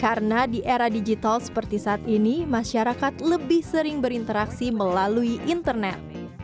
karena di era digital seperti saat ini masyarakat lebih sering berinteraksi melalui internet